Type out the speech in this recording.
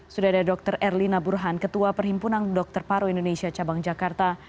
sudah ada dr erlina burhan ketua perhimpunan dokter paru indonesia cabang jakarta